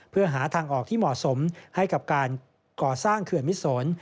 เพื่อหาทางออกที่เหมาะสมให้กับการก่อสร้างเขื่อนมิสน